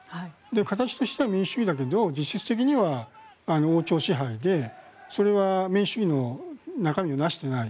形としては民主主義だけど実質的には王朝支配でそれは民主主義の中身をなしていない。